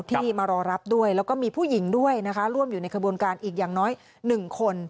ที่มารอรับด้วยแล้วก็มีผู้หญิงด้วยนะคะร่วมอยู่ในขบวนการอีกอย่างน้อย๑คน